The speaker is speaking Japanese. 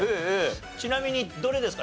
ちなみにどれですか？